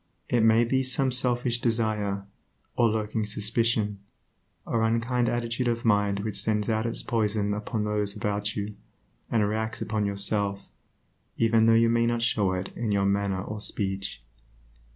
It may be some selfish desire, or lurking suspicion, or unkind attitude of mind which sends out its poison upon those about you, and reacts upon yourself, even though you may not show it in your manner or speech.